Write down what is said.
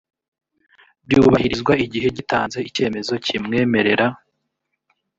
byubahirizwa igihe gitanze icyemezo kimwemerera